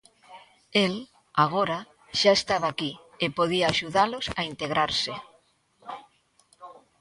El, agora, xa estaba aquí e podía axudalos a integrarse.